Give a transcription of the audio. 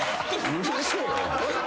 うるせえよ。